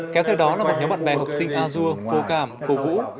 kéo theo đó là một nhóm bạn bè học sinh azur vô cảm cổ vũ